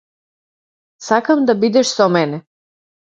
Сакам да бидеш со мене.